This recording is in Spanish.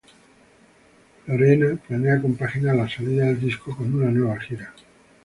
Loreena planea compaginar la salida del disco con una nueva gira.